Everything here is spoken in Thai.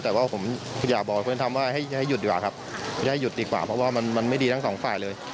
แต่ว่าผมอยากบอกเพื่อนทำว่าให้หยุดดีกว่าครับให้หยุดดีกว่าเพราะว่ามันไม่ดีทั้งสองฝ่ายเลย